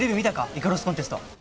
イカロスコンテスト。